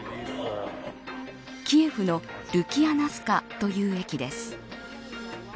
キエフのルキアナスカという駅です。